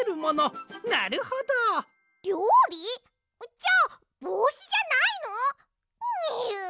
じゃあぼうしじゃないの？にゅ。